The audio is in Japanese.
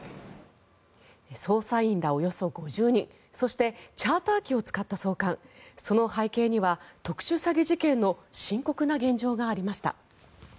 捜査員ら、およそ５０人そしてチャーター機を使った送還その背景には特殊詐欺事件の深刻な現状がありました。